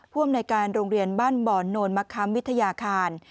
พ่วมในการโรงเรียนบ้านบ่อนโนรมะคัมวิทยาคาร